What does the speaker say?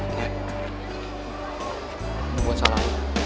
ini buat salahnya